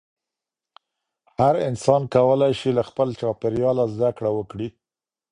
هر انسان کولی شي له خپل چاپېریاله زده کړه وکړي.